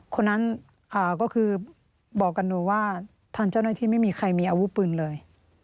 คนนั้นก็คือบอกกับหนูว่าทางเจ้าหน้าที่ไม่มีใครมีอาวุธปืนเลย